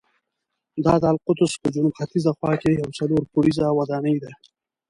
دا د القدس په جنوب ختیځه خوا کې یوه څلور پوړیزه ودانۍ ده.